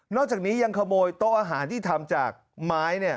จากนี้ยังขโมยโต๊ะอาหารที่ทำจากไม้